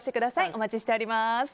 お待ちしております。